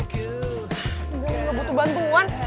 gue gak butuh bantuan